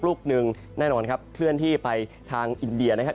ลูกหนึ่งแน่นอนครับเคลื่อนที่ไปทางอินเดียนะครับ